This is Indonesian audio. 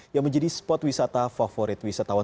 yang menjadi spot wisata favorit wisatawan